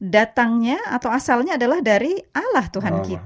datangnya atau asalnya adalah dari alah tuhan kita